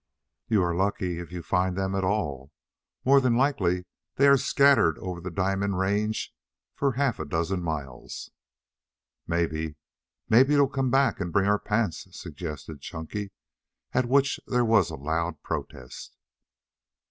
"You are lucky if you find them at all. More than likely they are scattered over the Diamond Range for half a dozen miles." "May maybe it'll come back and bring our pants," suggested Chunky, at which there was a loud protest.